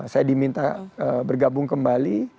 saya diminta bergabung kembali